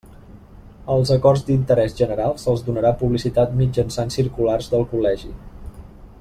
Als acords d'interès general se'ls donarà publicitat mitjançant circulars del Col·legi.